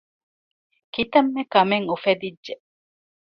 ކިތަންމެ ކަމެއް އުފެދިއްޖެ